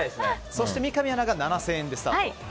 そして、三上アナが７０００円でスタート。